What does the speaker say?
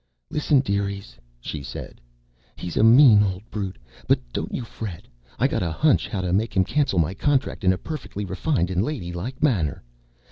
"Listen, dearies," she said, "he's a mean, old brute, but don't you fret! I got a hunch how to make him cancel my contract in a perfectly refined an' ladylike manner.